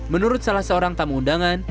menurut salah seorang tamu undangan